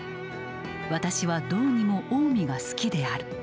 私はどうにも近江が好きである。